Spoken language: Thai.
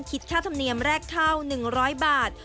คิดค่าธรรมเนียมแรกข้าว๑๐๐บาท